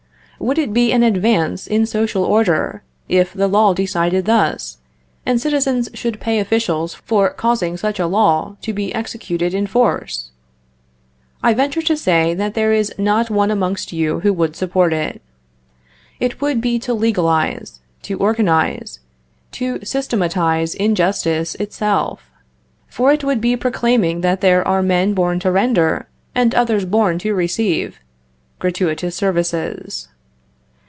Would it be an advance in social order, if the law decided thus, and citizens should pay officials for causing such a law to be executed by force? I venture to say, that there is not one amongst you who would support it. It would be to legalize, to organize, to systematize injustice itself, for it would be proclaiming that there are men born to render, and others born to receive, gratuitous services.